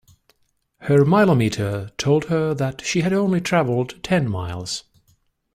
Her mileometer told her that she had only travelled ten miles